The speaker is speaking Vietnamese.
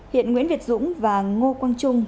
hiện nguyễn việt dũng và ngo quang trung